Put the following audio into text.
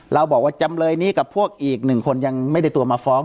เราบอกว่าจำเลยนี้กับพวกอีกหนึ่งคนยังไม่ได้ตัวมาฟ้อง